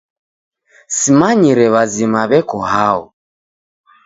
Simanyire w'azima w'eko hao.